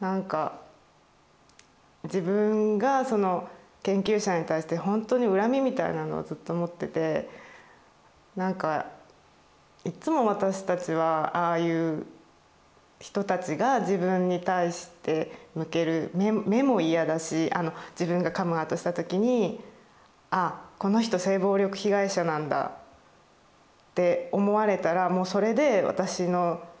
なんか自分がその研究者に対してほんとに恨みみたいなのをずっと持っててなんかいっつも私たちはああいう人たちが自分に対して向ける目も嫌だし自分がカムアウトしたときに「あっこの人性暴力被害者なんだ」って思われたらもうそれで私のなんか私自身ではないものを見られてる感じがして